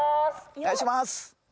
お願いします！